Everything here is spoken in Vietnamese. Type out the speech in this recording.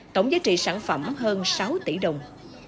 tổng giá trị sản phẩm hơn sáu tỷ đồng